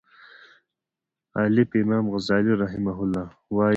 الف : امام غزالی رحمه الله وایی